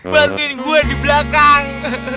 bantuin gua di belakang